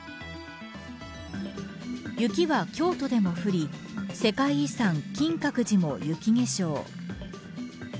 雪は京都でも降り世界遺産金閣寺も雪化粧。